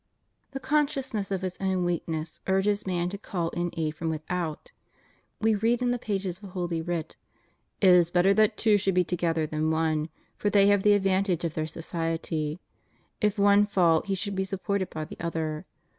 The consciousness of his own weakness urges man to call in aid from without. We read in the pages of holy ) writ: It is better that two should be together than one; for they have the advantage of their society. If one fall he shall be supported by the other.